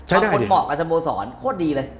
ใช้ได้ดิควรเหมาะกับสโมสรโคตรดีเลย